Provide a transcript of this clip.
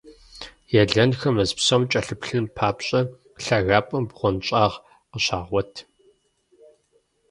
Елэнхэр мэз псом кӀэлъыплъын папщӀэ, лъагапӀэм бгъуэнщӀагъ къыщагъуэт.